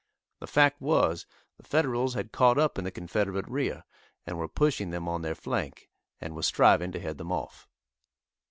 The fact was, the Federals had caught up in the Confederate rear, and were pushing them on their flank, and were striving to head them off.